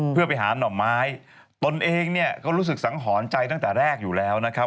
เพื่อไปหาหน่อไม้ตนเองเนี่ยก็รู้สึกสังหรณ์ใจตั้งแต่แรกอยู่แล้วนะครับ